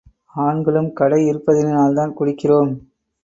ஆண்களும் கடை இருப்பதினால்தான் குடிக்கிறோம்.